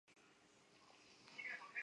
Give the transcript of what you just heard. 早年是诸生。